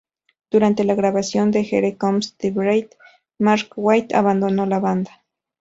Durante la grabación de "Here Comes The Bride", Mark White abandonó la banda.